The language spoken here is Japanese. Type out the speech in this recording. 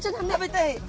食べたい。